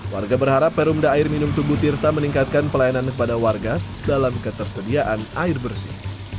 warga berharap perumda air minum tubuh tirta meningkatkan pelayanan kepada warga dalam ketersediaan air bersih